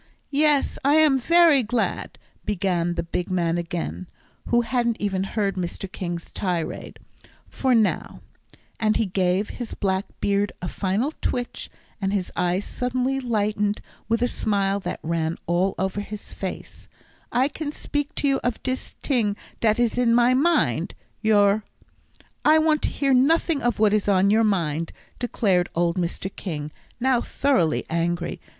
"Yes, I am very glad," began the big man again, who hadn't even heard Mr. King's tirade, "for now " and he gave his black beard a final twitch, and his eyes suddenly lightened with a smile that ran all over his face, "I can speak to you of dis ting dat is in my mind. Your " "I want to hear nothing of what is on your mind," declared old Mr. King, now thoroughly angry.